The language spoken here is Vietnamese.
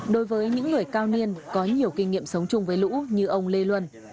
đối với những người cao niên có nhiều kinh nghiệm sống chung với lũ như ông lê luân